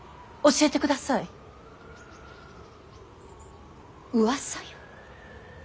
教えてください。うわさよ。